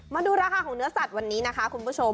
มาดูราคาของเนื้อสัตว์วันนี้นะคะคุณผู้ชม